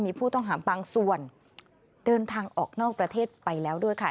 มีผู้ต้องหาบางส่วนเดินทางออกนอกประเทศไปแล้วด้วยค่ะ